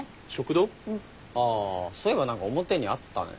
あそういえば何か表にあったね。